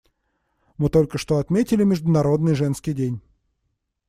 Мы только что отметили Международный женский день.